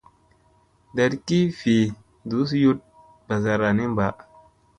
Ndat gi vi nduziyut bazara ni mba.